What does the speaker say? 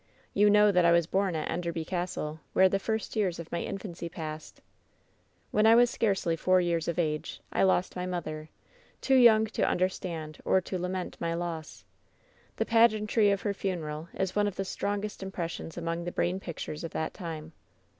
"You know that I was bom at Enderby Castle, where the first years of my infancy passed. "When I was scarcely four years of age I lost my mother — too young to understand or to lament my loss. The pageantry of her funeral is one of the strongest im pressions among the brain pictures of that time.